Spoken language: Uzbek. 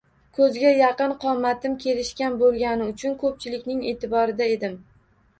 Ko‘zga yaqin, qomatim kelishgan bo‘lgani uchun ko‘pchilikning e'tiborida edim